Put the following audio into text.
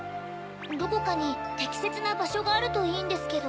どこかにてきせつなばしょがあるといいんですけど。